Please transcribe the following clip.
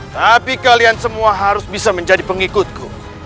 tapi kalian semua harus bisa menjadi pengikutku